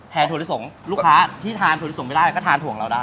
ถั่วลิสงลูกค้าที่ทานถั่วส่งไม่ได้ก็ทานถั่วเราได้